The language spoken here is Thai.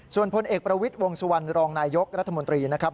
ส่วนพลเอกประวิทย์วงสุวรรณรองนายยกรัฐมนตรีนะครับ